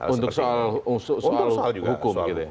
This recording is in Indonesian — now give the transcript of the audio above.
untuk soal hukum